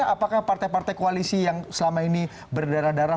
apakah partai partai koalisi yang selama ini berdarah darah